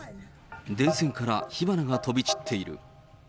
電線から火花が飛び散っている。